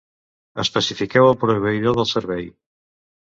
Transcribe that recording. Especifiqueu el proveïdor del servei.